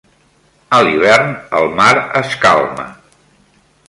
A l'hivern, el mar es calma.